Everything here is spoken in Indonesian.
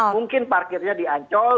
mungkin parkirnya di ancol